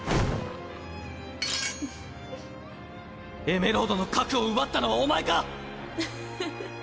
エメロードの核を奪ったのはお前か⁉うふふっ。